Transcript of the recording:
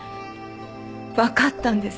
わかったんです。